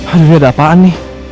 aduh ini ada apaan nih